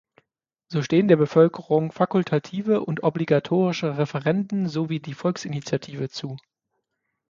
So stehen der Bevölkerung fakultative und obligatorische Referenden sowie die Volksinitiative zu.